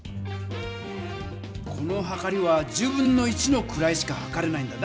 このはかりはのくらいしかはかれないんだ。